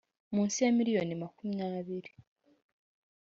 munsi ya miliyoni makumyabiri